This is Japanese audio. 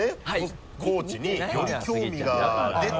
高知により興味が出て。